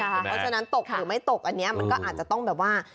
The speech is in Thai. เพราะฉะนั้นตกหรือไม่ตกอันนี้มันก็อาจจะต้องแบบว่า